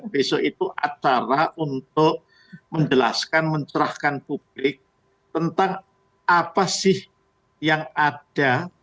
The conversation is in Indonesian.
besok itu acara untuk menjelaskan mencerahkan publik tentang apa sih yang ada